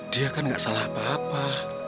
dia kan nggak salah apa apa